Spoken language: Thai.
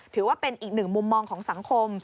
ถือว่าเป็นอีกหนึ่งมุมมองของสังคม